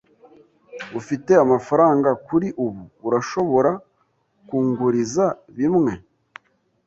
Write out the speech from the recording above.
Ufite amafaranga kuri ubu? Urashobora kunguriza bimwe?